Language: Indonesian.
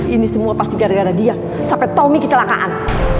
ini semua pasti gara gara dia sampai tommy kecelakaan